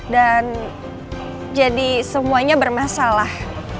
dan jadi semuanya bermasalah